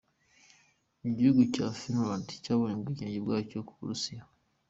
Igihugu cya Finland cyabonye ubwigenge bwacyo ku burusiya.